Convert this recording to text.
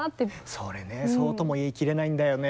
それねそうとも言い切れないんだよね。